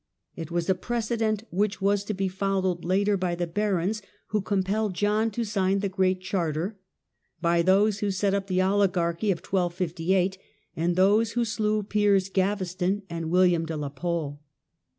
It was a precedent which was to be followed later by the barons who compelled John to sign the Great Charter, by those who set up the oligarchy of 1258, and those who slew Piers Gaveston and William de la Pole.